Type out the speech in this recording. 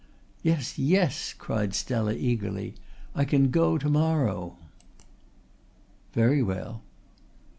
"Yes, yes," cried Stella eagerly. "I can go to morrow." "Very well."